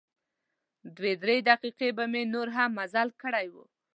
دوه درې دقیقې به مې نور هم مزل کړی و.